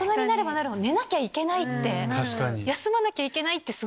なるほど。